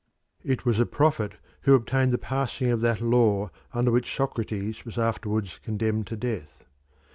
It was a prophet who obtained the passing of that law under which Socrates was afterwards condemned to death.